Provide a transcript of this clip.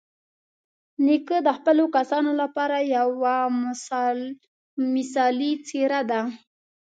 نیکه د خپلو کسانو لپاره یوه مثالي څېره ده.